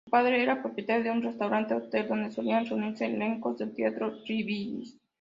Su padre era propietario de un restaurant-hotel, donde solían reunirse elencos del teatro Yiddish.